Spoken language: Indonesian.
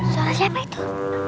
suara siapa itu